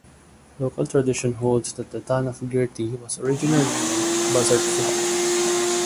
Local tradition holds that the town of Gerty was originally named "Buzzard Flop".